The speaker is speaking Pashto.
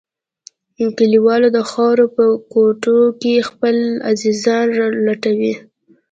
کليوالو د خاورو په کوټو کښې خپل عزيزان لټول.